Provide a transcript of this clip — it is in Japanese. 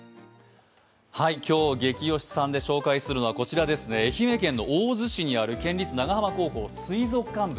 今日ゲキ推しさんで紹介するのはこちら、愛媛県大洲市にある県立長浜高校水族館部。